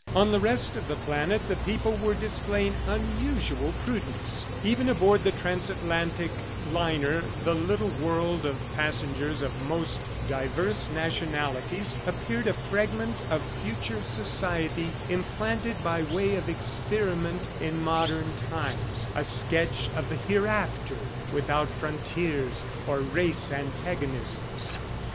On the rest of the planet, the people were displaying unusual prudence. Even aboard the transatlantic liner, the little world of passengers of most diverse nationalities appeared a fragment of future society implanted by way of experiment in modern times a sketch of the hereafter, without frontiers or race antagonisms.